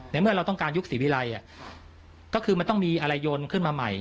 เมื่อเราต้องการยุคศรีวิรัยก็คือมันต้องมีอะไรโยนขึ้นมาใหม่